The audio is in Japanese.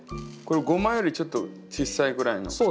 これごまよりちょっと小さいぐらいの。